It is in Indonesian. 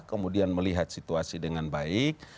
kemudian melihat situasi dengan baik